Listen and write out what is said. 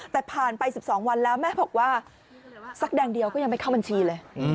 แต่ผ่านไป๑๒วันแล้วแม่บอกว่าสักแดงเดียวก็ยังไม่เข้าบัญชีเลย